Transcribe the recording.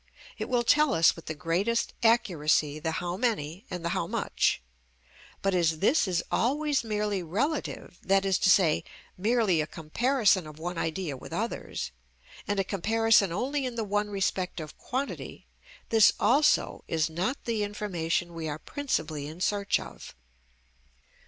It will tell us with the greatest accuracy the how many and the how much; but as this is always merely relative, that is to say, merely a comparison of one idea with others, and a comparison only in the one respect of quantity, this also is not the information we are principally in search of.